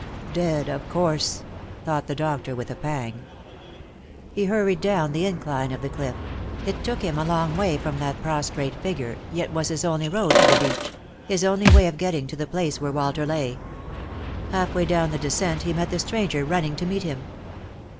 " Dead, of course," thought the doctor with a pang. He hurried down the incline of the cliff; it took him a long way from that prostrate figure, yet was his only road to the beach — his only way of getting to the place where Walter lay. Halfway down the descent he met the stranger running to meet him.